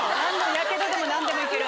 やけどでも何でも行ける。